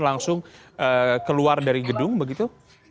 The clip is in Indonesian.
langsung keluar dari gedung begitu